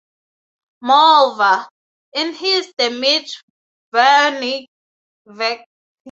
Moreover, in his Damit wir nicht vergessen!